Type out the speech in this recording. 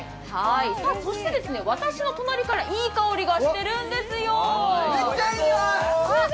私の隣からいい香りがしてるんですよ。